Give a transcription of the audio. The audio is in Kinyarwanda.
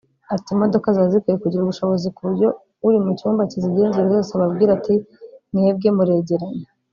Ati "Imodoka ziba zikwiye kugira ubushobozi ku buryo uri mu cyumba kizigenzura zose ababwira ati mwebwe muregeranye